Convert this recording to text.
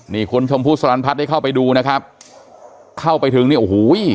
นี่คุณชมพู่สลันพัฒน์ได้เข้าไปดูนะครับเข้าไปถึงนี่โอ้โห